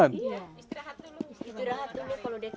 istirahat dulu kalau dia cerah dulu kita gemur dulu baru bisa